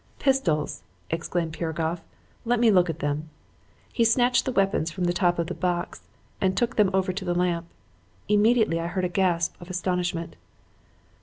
"'Pistols!' exclaimed Piragoff. 'Let me look at them.' He snatched the weapons from the top of the box and took them over to the lamp. Immediately I heard a gasp of astonishment.